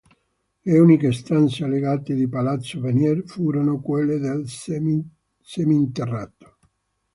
Le uniche stanze allagate di Palazzo Venier furono quelle del seminterrato.